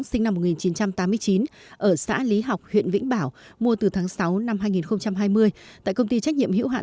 sinh năm một nghìn chín trăm tám mươi chín ở xã lý học huyện vĩnh bảo mua từ tháng sáu năm hai nghìn hai mươi tại công ty trách nhiệm hữu hạn